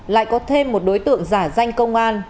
lại có thêm một đối tượng giả danh công an